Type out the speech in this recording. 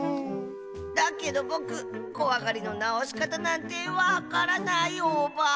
だけどぼくこわがりのなおしかたなんてわからないオバ。